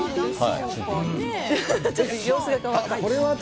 ちょっと様子が変わった。